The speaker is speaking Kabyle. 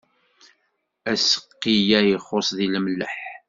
Aseqqi-a ixuṣṣ deg lemleḥ.